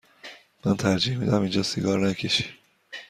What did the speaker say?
من ترجیح می دهم اینجا سیگار نکشی.